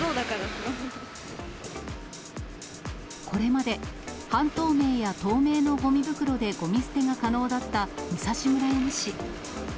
これまで、半透明や透明のごみ袋でごみ捨てが可能だった武蔵村山市。